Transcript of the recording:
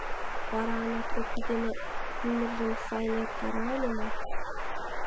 Вара Ана Тропий дене ӱмыржым сайын эртара ыле мо?